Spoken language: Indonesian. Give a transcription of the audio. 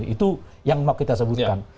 itu yang mau kita sebutkan